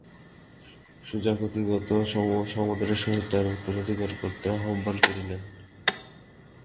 সুজা কৃতজ্ঞতা ও সমাদরের সহিত তাঁহার উদ্ধারকর্তাকে আহ্বান করিলেন।